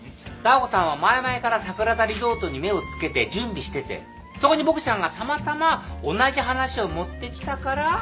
ダー子さんは前々から桜田リゾートに目を付けて準備しててそこにボクちゃんがたまたま同じ話を持ってきたから。